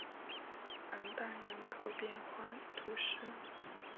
昂代人口变化图示